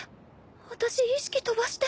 私意識飛ばして